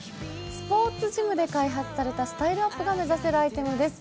スポーツジムで開発されたスタイルアップが目指せるアイテムです。